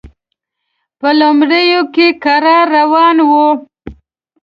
په لومړیو کې کرار روان و.